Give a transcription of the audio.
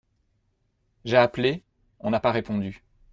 J'ai appelé, on n'a pas répondu.